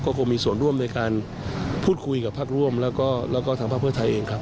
คงมีส่วนร่วมในการพูดคุยกับภาคร่วมแล้วก็ทางภาคเพื่อไทยเองครับ